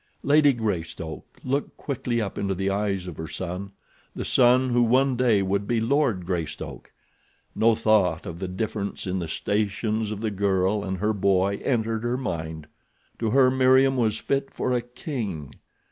Lady Greystoke looked quickly up into the eyes of her son—the son who one day would be Lord Greystoke. No thought of the difference in the stations of the girl and her boy entered her mind. To her Meriem was fit for a king.